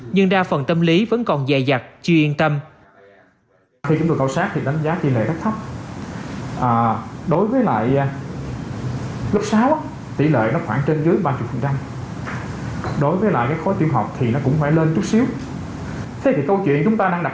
nhưng đa phần tâm lý vẫn còn dày dặt chưa yên tâm